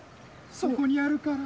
そこにあるから。